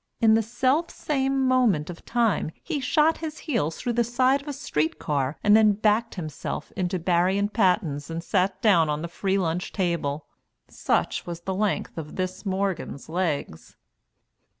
In the self same moment of time, he shot his heels through the side of a street car, and then backed himself into Barry and Patten's and sat down on the free lunch table. Such was the length of this Morgan's legs.